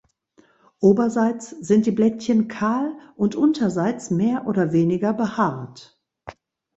Oberseits sind die Blättchen kahl und unterseits mehr oder weniger behaart.